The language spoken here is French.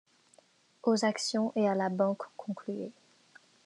aux Actions et à la Banque, concluez !